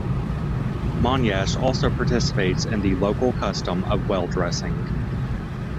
Monyash also participates in the local custom of well dressing.